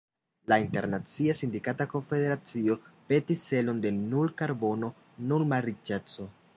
La Internacia Sindikata Konfederacio petis celon de "nul karbono, nul malriĉeco".